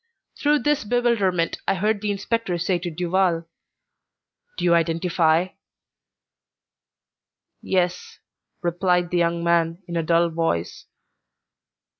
Through this bewilderment I heard the inspector say to Duval, "Do you identify?" "Yes," replied the young man in a dull voice.